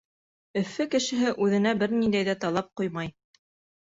Өфө кешеһе үҙенә бер ниндәй ҙә талап ҡуймай.